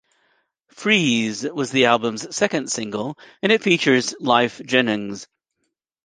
Freeze was the album's second single and it features Lyfe Jennings.